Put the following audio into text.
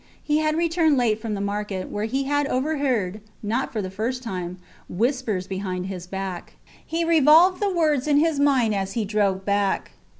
He had returned late from the market, where he had overheard (not for the first time) whispers behind his back. He revolved the words in his mind as he drove back.